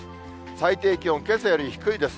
最低気温、けさより低いです。